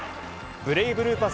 ブレイブルーパス